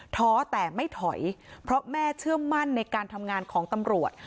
ท้อแต่ไม่ถอยเพราะแม่เชื่อมั่นในการทำงานของตำรวจ